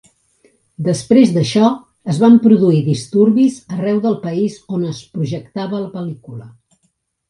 Després d'això, es van produir disturbis arreu del país on es projectava la pel·lícula.